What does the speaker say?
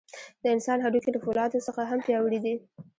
د انسان هډوکي له فولادو څخه هم پیاوړي دي.